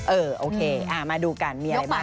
เออโอเคมาดูกันมีอะไรบ้าง